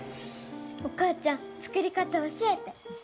お母ちゃん作り方教えて。